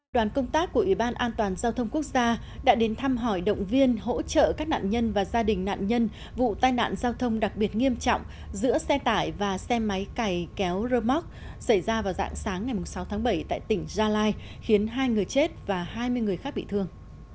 đoàn công tác của ủy ban an toàn giao thông quốc gia đã đến thăm hỏi động viên hỗ trợ các nạn nhân và gia đình nạn nhân vụ tai nạn giao thông đặc biệt nghiêm trọng giữa xe tải và xe máy cày kéo rơ móc xảy ra vào dạng sáng ngày sáu tháng bảy tại tỉnh gia lai khiến hai người chết và hai mươi người khác bị thương